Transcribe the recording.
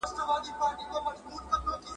یوځل وانه خیست له غوښو څخه خوند `